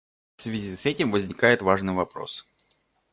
В связи с этим возникает важный вопрос.